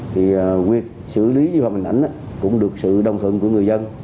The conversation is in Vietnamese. nguyệt xử lý vi phạm hình ảnh cũng được sự đồng thuận của người dân